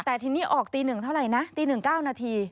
แต่ทีนี้ออกตีหนึ่งเท่าไหร่นะตีหนึ่งเก้านาที